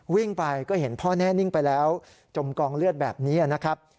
วิ่งไปก็เห็นพ่อแน่นิ่งไปแล้วจมกองเลือดแบบนี้นะครับ